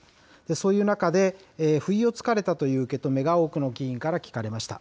そういう中で、不意をつかれたという受け止めが多くの議員から聞かれました。